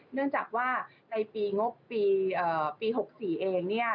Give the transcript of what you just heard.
เนื่องจากว่าในปี๖๔เอง